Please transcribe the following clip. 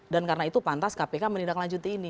dan karena itu pantas kpk menindaklanjuti ini